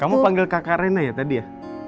kamu panggil kakak rena ya tadi ya